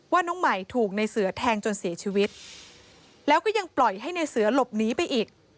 น้องใหม่ถูกในเสือแทงจนเสียชีวิตแล้วก็ยังปล่อยให้ในเสือหลบหนีไปอีก